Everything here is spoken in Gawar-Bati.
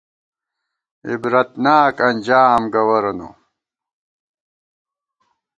عبرتناک انجام گوَرَنہ